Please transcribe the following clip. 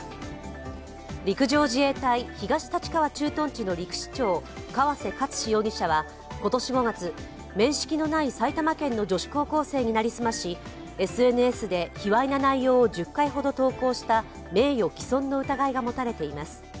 陸上自衛隊東舘川駐屯地の陸士長川瀬捷史容疑者は今年５月、面識のない埼玉県の女子高校生になりすまし、ＳＮＳで卑わい内容を１０回投稿した名誉毀損の疑いが持たれています。